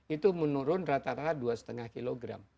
itu menurun rata rata dua lima kg